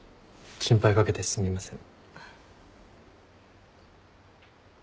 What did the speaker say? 心配かけてすみません。